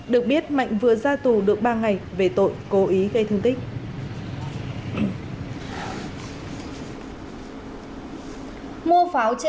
được biết mạnh vừa ra tù được ba ngày về tội cố ý gây thương tích